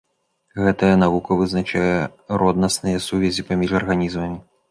Гэтая навука вызначае роднасныя сувязі паміж арганізмамі.